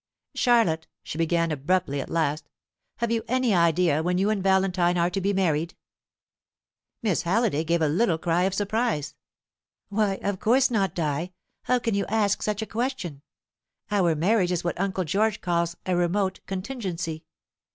"Charlotte," she began abruptly at last, "have you any idea when you and Valentine are to be married?" Miss Halliday gave a little cry of surprise. "Why, of course not, Di! How can you ask such a question? Our marriage is what uncle George calls a remote contingency.